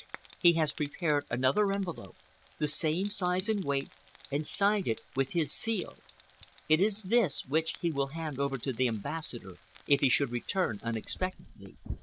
He has prepared another envelope, the same size and weight, and signed it with his seal. It is this which he will hand over to the Ambassador if he should return unexpectedly.